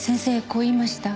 こう言いました。